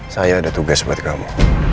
saya ada tugas buat kamu